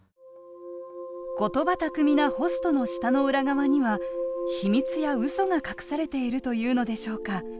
言葉巧みなホストの舌の裏側には秘密やうそが隠されているというのでしょうか。